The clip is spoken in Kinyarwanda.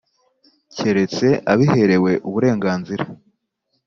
keretse abiherewe uburenganzira